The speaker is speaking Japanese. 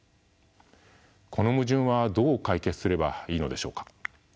この矛盾はどう解決すればいいのでしょうか。